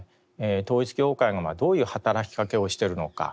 統一教会がどういう働きかけをしているのか。